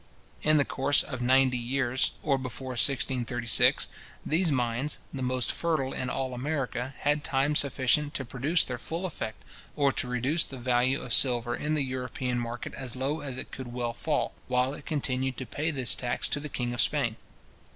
In the course of ninety years, or before 1636, these mines, the most fertile in all America, had time sufficient to produce their full effect, or to reduce the value of silver in the European market as low as it could well fall, while it continued to pay this tax to the king of Spain.